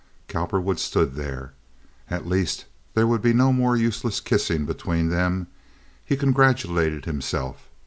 Cowperwood stood there. At least there would be no more useless kissing between them, he congratulated himself.